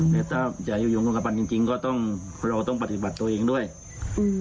แต่ถ้าจะอยู่ยงร่วมกับมันจริงจริงก็ต้องเราต้องปฏิบัติตัวเองด้วยอืม